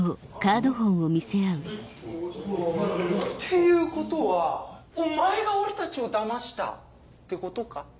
ていうことはお前が俺たちをだましたってことか？